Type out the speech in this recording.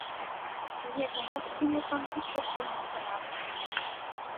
Туге гынат тӱньыкым вик оптен кӱзыман.